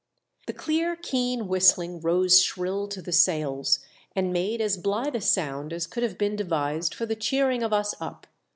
The clear keen whistling rose shrill to the sails and made as blythe a sound as could have been devised for the cheering of us up.